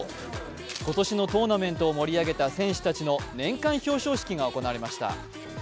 今年のトーナメントを盛り上げた選手たちの年間表彰式が行われました。